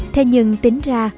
thế nhưng tính ra